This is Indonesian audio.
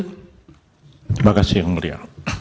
terima kasih yang mulia